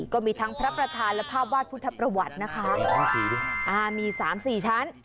ก็มีทั้งพระประธานและภาพวาดพุทธประวัตินะคะอ่ามีสามสี่ชั้น